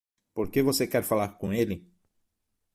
Por que você quer falar com ele?